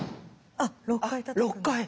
あっ６回。